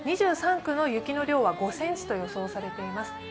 ２３区の雪の量は５ｃｍと予想されています。